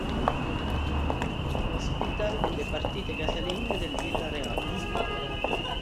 Ospita le partite casalinghe del Villarreal.